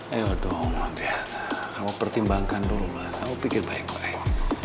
ayo dong ya kamu pertimbangkan dulu lah kamu pikir baik baik